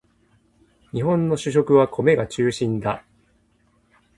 日本の主食は米が中心だ